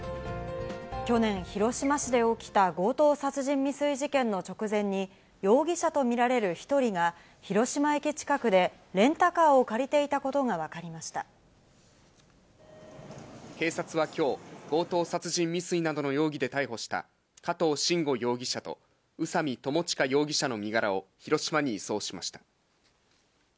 去年、広島市で起きた強盗殺人未遂事件の直前に、容疑者と見られる１人が、広島駅近くで、レンタカーを借りていた警察はきょう、強盗殺人未遂などの容疑で逮捕した加藤臣吾容疑者と宇佐美巴悠容疑者の身柄を広島に移送しました。